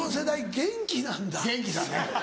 元気だね。